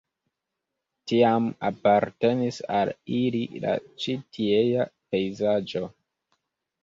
Tiam apartenis al ili la ĉi tiea pejzaĝo.